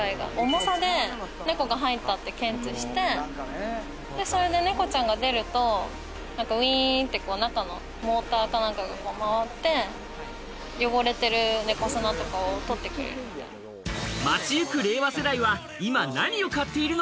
重さで猫が入ったって検知して、それで猫ちゃんが出ると中のモーターかなんかが回って汚れてる猫砂とかを取ってくれる。